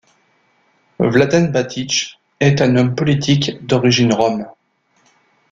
Vladan Batić, est un homme politique d'origine rom.